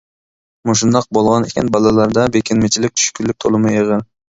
مۇشۇنداق بولغان ئىكەن بالىلاردا بېكىنمىچىلىك، چۈشكۈنلۈك تولىمۇ ئېغىر.